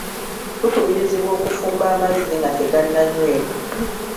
Tukubirizibwa okufumba amazzi nga tegannanyweebwa.